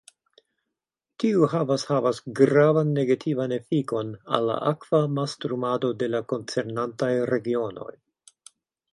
Tiu havas havas gravan negativan efikon al la akva mastrumado de la koncernantaj regionoj.